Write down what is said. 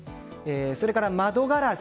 それから、窓ガラス。